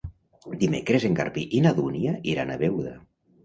Dimecres en Garbí i na Dúnia iran a Beuda.